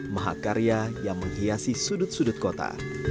mahakarya yang menghiasi sudut sudut kota